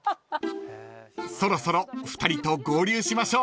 ［そろそろ２人と合流しましょう］